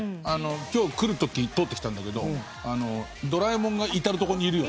今日来る時通ってきたんだけどドラえもんが至るとこにいるよね。